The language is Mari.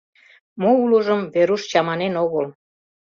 Мо улыжым Веруш чаманен огыл.